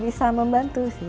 bisa membantu sih